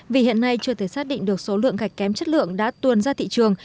vì hiện nay chưa thể xác định được số lượng gạch kém chất lượng đã tuồn ra thị trường